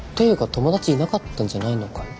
友達いなかったんじゃないのかい？